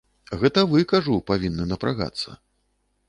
Гэта вы, кажу, павінны напрагацца.